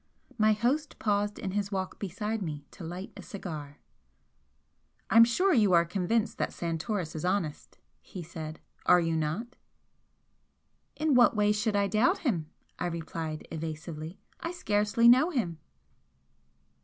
My host paused in his walk beside me to light a cigar. "I'm sure you are convinced that Santoris is honest," he said "Are you not?" "In what way should I doubt him?" I replied, evasively "I scarcely know him!"